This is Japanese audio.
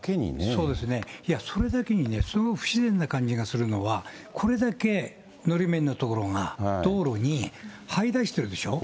そうですね、それだけにね、その不自然な感じがするのは、これだけのり面の所が道路に張り出してるでしょう。